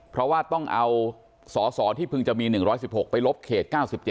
เพราะว่าต้องเอาสอสอที่เพิ่งจะมี๑๑๖ไปลบเขต๙๗